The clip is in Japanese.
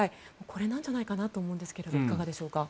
これなんじゃないかなと思うんですがいかがでしょうか。